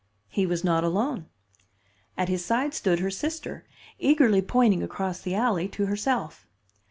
"He was not alone. At his side stood her sister, eagerly pointing across the alley to herself.